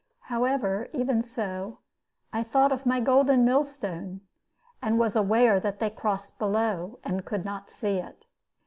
However, even so, I thought of my golden millstone, and was aware that they crossed below, and could not see it.